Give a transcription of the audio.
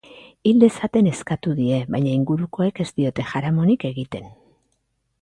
Hil dezaten eskatu die, baina ingurukoak ez diote jaramonik egiten.